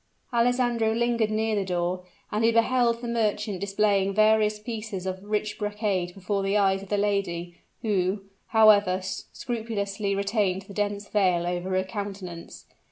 Alessandro lingered near the door, and he beheld the merchant displaying various pieces of rich brocade before the eyes of the lady, who, however, scrupulously retained the dense veil over her countenance.